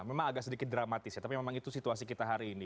memang agak sedikit dramatis ya tapi memang itu situasi kita hari ini